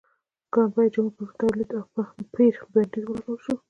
ګران بیه جامو پر تولید او پېر بندیز ولګول شو.